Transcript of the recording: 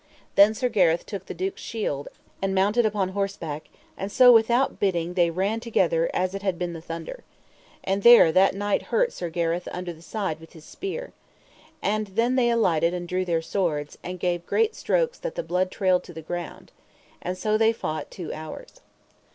Then Sir Gareth took the duke's shield, and mounted upon horseback, and so without biding they ran together as it had been the thunder. And there that knight hurt Sir Gareth under the side with his spear. And then they alighted and drew their swords, and gave great strokes that the blood trailed to the ground. And so they fought two hours.